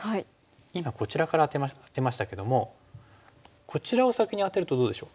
今こちらからアテましたけどもこちらを先にアテるとどうでしょう？